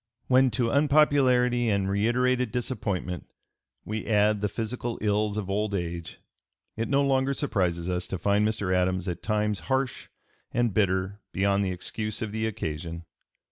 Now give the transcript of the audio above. When to unpopularity and reiterated disappointment we add the physical ills of old age, it no longer surprises us to find Mr. Adams at times harsh and bitter beyond the excuse of the occasion.